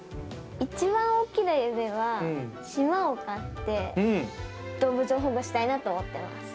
一番大きな夢は、島を買って動物を保護したいなと思ってます。